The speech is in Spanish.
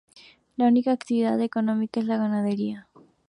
La única actividad económica es la ganadería.